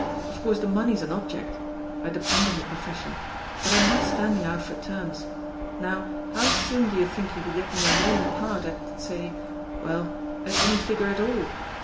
Of course the money's an object — I depend on the profes sion — ^but I'm not standing out for terms. Now, how soon do you think you could get me a lead ing part, at, say — ^well, at any figure at all?